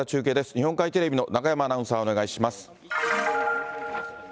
日本海テレビの中山アナウンサー、お願いします。